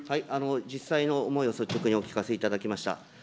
実際の思いを率直にお聞かせいただきました。